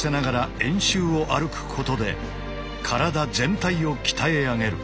円周を歩くことで体全体を鍛え上げる。